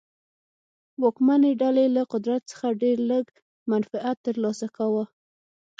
واکمنې ډلې له قدرت څخه ډېر لږ منفعت ترلاسه کاوه.